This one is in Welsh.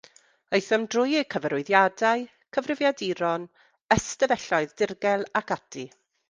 Aethom drwy eu cyfarwyddiadau, cyfrifiaduron, ystafelloedd dirgel ac ati.